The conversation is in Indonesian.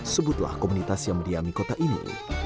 sebutlah komunitas yang mendiami kota ini